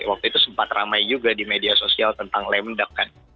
waktu itu sempat ramai juga di media sosial tentang lemdak kan